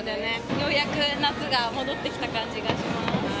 ようやく夏が戻ってきた感じがします。